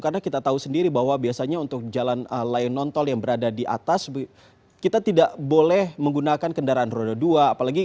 karena kita tahu sendiri bahwa biasanya untuk jalan layu nontol yang berada di atas kita tidak boleh menggunakan kendaraan roda dua